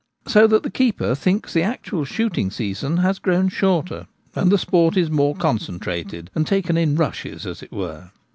So that the keeper thinks the actual shooting season has grown shorter and the sport is more concen trated, and taken in rushes, as it were.